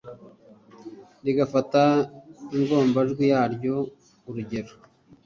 rigafata ingombajwi yaryo urugero